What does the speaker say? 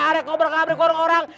arak gobrak abrik orang orang